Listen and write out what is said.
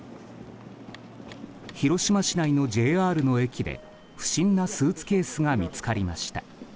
広島市内のＪＲの駅で不審なスーツケースが見つかりました。